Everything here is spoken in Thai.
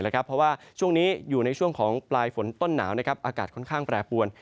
เพราะว่าช่วงนี้อยู่ในช่วงของปลายฝนต้นหนาวอากาศค่อนข้างแปรปวน